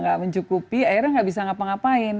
gak mencukupi akhirnya gak bisa ngapa ngapain